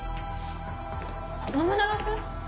信長君？